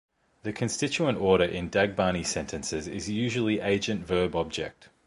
The constituent order in Dagbani sentences is usually agent-verb-object.